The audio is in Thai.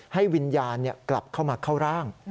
ให้วิญญาณกลับเข้ามาเข้าร่าง